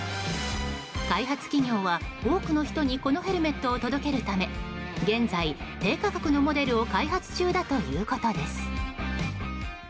開発企業は、多くの人にこのヘルメットを届けるため現在、低価格のモデルを開発中だということです。